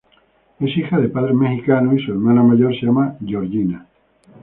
Es hija de padres mexicanos y su hermana mayor se llama Georgina.